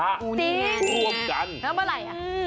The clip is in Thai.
แล้วเมื่อไหร่่ะกระทะ